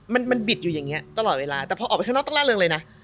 มันมันบิดอยู่อย่างนี้ตลอดเวลาแต่พอออกไปข้างนอกต้องล่าเริงเลยนะ